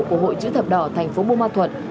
của hội chữ thập đỏ thành phố bùn ma thuột